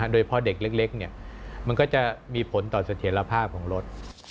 โดยพ่อเด็กเล็กมันก็จะมีผลต่อเสถียรภาพของรถ